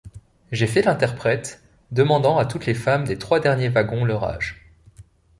J'ai fait l'interprète, demandant à toutes les femmes des trois derniers wagons leur âge.